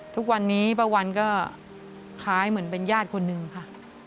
ทุกวันนี้ป้าวันก็คล้ายเหมือนเป็นญาติคนหนึ่งค่ะ